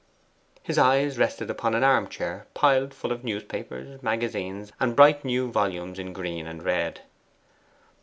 His eyes rested upon an arm chair piled full of newspapers, magazines, and bright new volumes in green and red.